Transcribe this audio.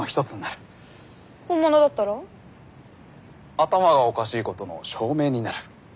頭がおかしいことの証明になる。